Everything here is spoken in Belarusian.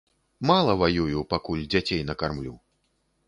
Мала ваюю, пакуль дзяцей накармлю.